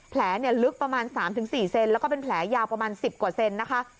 แผลเนี่ยลึกประมาณสามถึงสี่เซนแล้วก็เป็นแผลยาวประมาณสิบกว่าเซนนะคะ